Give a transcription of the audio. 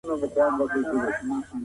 په ګرځېدو کي د بدن وزن نه زیاتېږي.